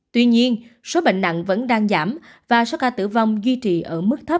tuy nhiên số bệnh nặng vẫn đang giảm và số ca tử vong duy trì ở mức thấp